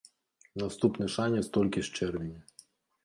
Наступны шанец толькі з чэрвеня.